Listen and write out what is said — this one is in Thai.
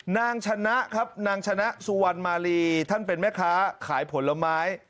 ชนะครับนางชนะสุวรรณมาลีท่านเป็นแม่ค้าขายผลไม้